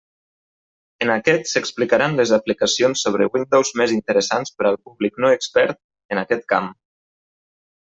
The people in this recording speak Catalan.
En aquest s'explicaran les aplicacions sobre Windows més interessants per al públic no expert en aquest camp.